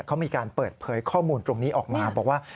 เขามีการเปิดเผยข้อมูลตรงนี้ออกมาบอกว่า